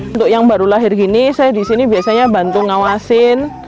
untuk yang baru lahir gini saya di sini biasanya bantu ngawasin